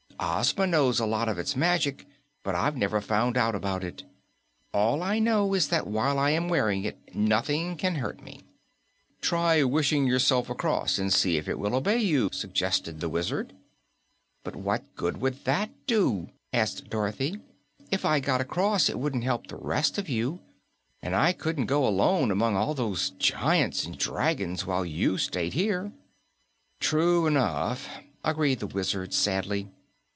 "Ozma knows a lot of its magic, but I've never found out about it. All I know is that while I am wearing it, nothing can hurt me." "Try wishing yourself across and see if it will obey you," suggested the Wizard. "But what good would that do?" asked Dorothy. "If I got across, it wouldn't help the rest of you, and I couldn't go alone among all those giants and dragons while you stayed here." "True enough," agreed the Wizard sadly.